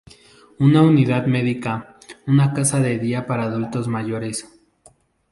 Una unidad medica, una casa de día para adultos mayores.